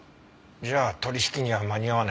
じゃあ取引には間に合わないね。